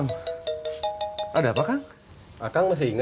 masa baker jono gini vidolnya cuma